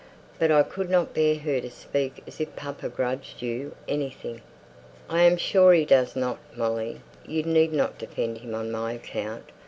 But I couldn't bear her to speak as if papa grudged you anything." "I'm sure he doesn't, Molly. You need not defend him on my account.